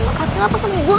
makasih enak pas sama gue